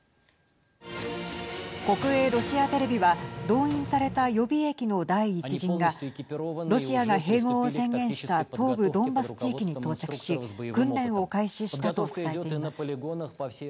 国営ロシアテレビは動員された予備役の第一陣がロシアが併合を宣言した東部ドンバス地域に到着し訓練を開始したと伝えています。